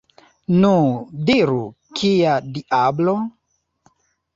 Nu, diru, kia diablo?